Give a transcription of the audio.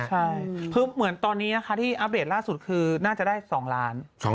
ใช่คือเหมือนตอนนี้นะคะที่อัปเดตล่าสุดคือน่าจะได้๒ล้าน